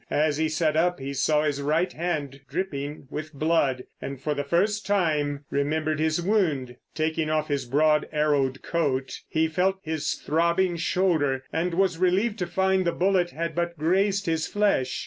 As he sat up he saw his right hand dripping with blood, and for the first time remembered his wound. Taking off his broad arrowed coat, he felt his throbbing shoulder, and was relieved to find the bullet had but grazed his flesh.